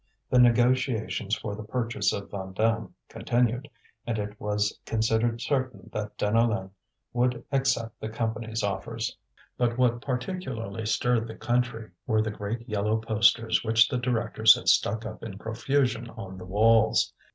The negotiations for the purchase of Vandame continued, and it was considered certain that Deneulin would accept the Company's offers. But what particularly stirred the country were the great yellow posters which the directors had stuck up in profusion on the walls.